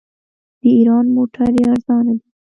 د ایران موټرې ارزانه دي.